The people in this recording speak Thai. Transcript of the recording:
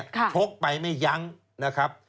ชกไปไม่ยั้งนะครับ